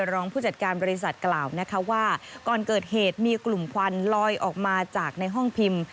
รองผู้จัดการบริษัทกล่าวนะคะว่าก่อนเกิดเหตุมีกลุ่มควันลอยออกมาจากในห้องพิมพ์